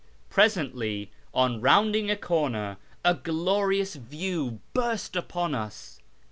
Presently, on rounding a corner, a glorious view burst upon us.